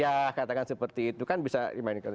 ya katakan seperti itu kan bisa dimainkan